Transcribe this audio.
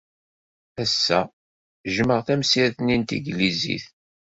Ass-a, jjmeɣ tamsirt-nni n tanglizit.